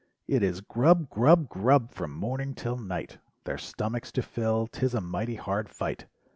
It is grub, grub, grub from morning 'till night Their stomachs to fill, 'tis a mighty hard fight.